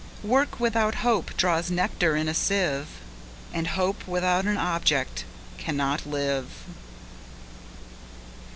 Work without Hope draws nectar in a sieve, And Hope without an object cannot live.